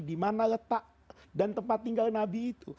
dimana letak dan tempat tinggal nabi itu